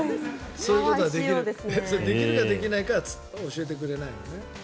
そういうことができるかできないかは教えてくれないのね。